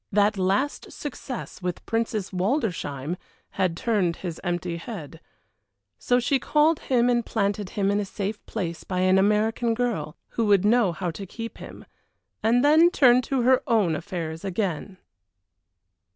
That last success with Princess Waldersheim had turned his empty head. So she called him and planted him in a safe place by an American girl, who would know how to keep him, and then turned to her own affairs again.